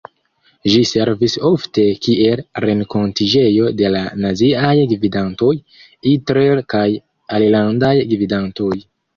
Ĝi servis ofte kiel renkontiĝejo de la naziaj gvidantoj, Hitler kaj alilandaj gvidantoj.